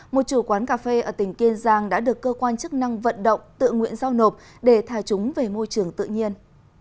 một chủ quán cà phê ở tỉnh kiên giang đã được cơ quan chức năng vận động tự nguyện giao nộp để thả chúng về môi trường tự nhiên